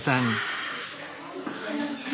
こんにちは。